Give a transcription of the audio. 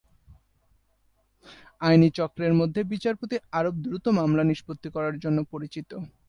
আইনি চক্রের মধ্যে বিচারপতি আরব দ্রুত মামলা নিষ্পত্তি করার জন্য পরিচিত।